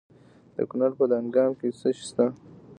د کونړ په دانګام کې څه شی شته؟